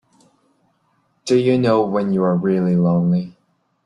Do you know when you're really lonely?